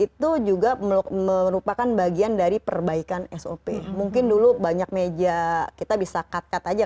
itu juga merupakan bagian dari perbaikan sop mungkin dulu banyak meja kita bisa cut cut aja